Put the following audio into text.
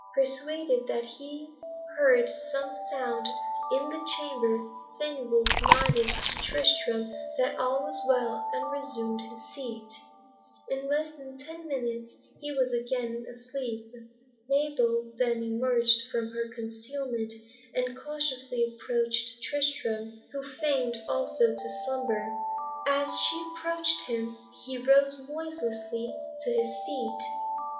Persuaded that he heard some sound in the chamber, Fenwolf nodded to Tristram that all was right, and resumed his seat. In less than ten minutes he was again asleep. Mabel then emerged from her concealment, and cautiously approached Tristram, who feigned, also, to slumber. As she approached him, he rose noiselessly to his feet.